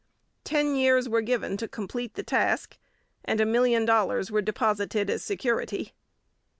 Ten years were given to complete the task, and a million dollars were deposited as security.